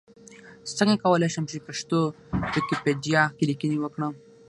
څنګه کولی شم چې پښتو ويکيپېډيا کې ليکنې وکړم؟